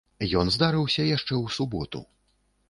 Ён здарыўся яшчэ ў суботу.